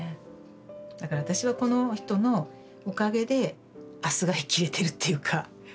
だから私はこの人のおかげで明日が生きれてるっていうか。